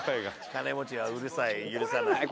金持ちはうるさい許さない。